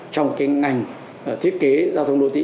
trong cái ngành thiết kế giao thông đô thị